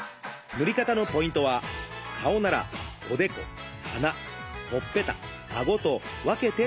塗り方のポイントは顔ならおでこ鼻ほっぺたあごと分けて塗ること。